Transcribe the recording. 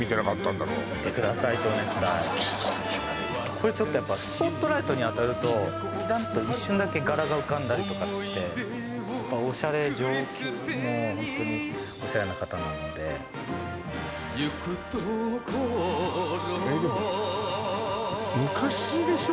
これちょっとやっぱスポットライトに当たるとキランと一瞬だけ柄が浮かんだりとかしてやっぱオシャレ上級ホントにオシャレな方なので行くところえっでも昔でしょ？